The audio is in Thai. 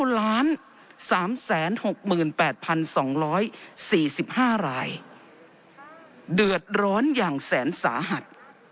๓๓๖๘๒๔๕รายเดือดร้อนอย่างแสนสาหัส